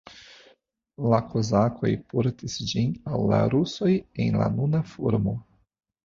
La kozakoj portis ĝin al la rusoj en la nuna formo.